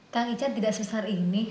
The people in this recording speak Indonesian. kang icah tidak sesar ini